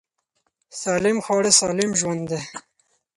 سالم خواړه سالم ژوند دی.